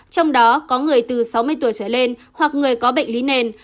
trong đó có người từ sáu mươi tuổi trở lên hoặc người có bệnh lý nền